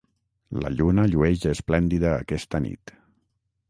La lluna llueix esplèndida aquesta nit.